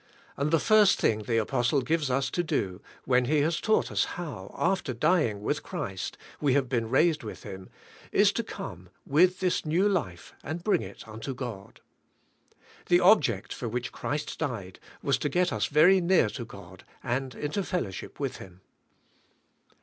And the first thing the apostle gives us to do, when he has taught us how, after dying with Christ, we have been raised with Him, is to come with this new life and hri^ig it unto God. The object for which Christ died was to get us very near to God and into fellowship with Him.